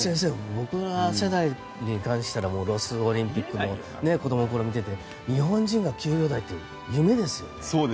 僕ら世代に関してはロスオリンピックも子どもの頃見ていて日本人が９秒台って夢ですよね。